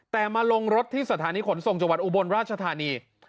แต่มาลงรถที่สถานีขนส่งจังหวัดอุบลราชธานี